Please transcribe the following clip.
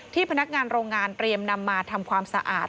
พนักงานโรงงานเตรียมนำมาทำความสะอาด